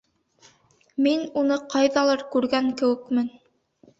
Мин уны ҡайҙалыр күргән кеүекмен.